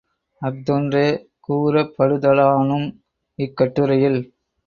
அஃதொன்றே கூறப்படுதலானும், இக் கட்டுரையில்